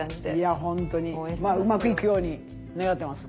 うまくいくように願ってます。